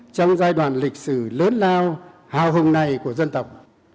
trong giai đoạn lịch sử lớn lao hào hùng này của dân tộc